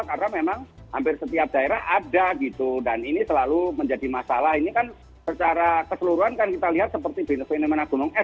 karena memang hampir setiap daerah ada gitu dan ini selalu menjadi masalah ini kan secara keseluruhan kan kita lihat seperti bineso inimena gunung s